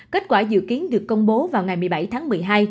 kết quả dự kiến được công bố vào ngày một mươi bảy tháng một mươi hai